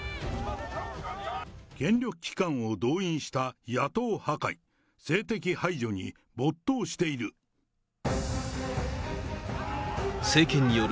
権力機関を動員した野党破壊、政敵排除に没頭している。